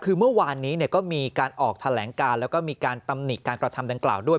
คือเมื่อวานนี้ก็มีการออกแถลงการแล้วก็มีการตำหนิการกระทำดังกล่าวด้วย